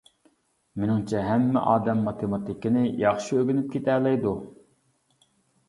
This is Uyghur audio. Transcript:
مېنىڭچە ھەممە ئادەم ماتېماتىكىنى ياخشى ئۆگىنىپ كېتەلەيدۇ.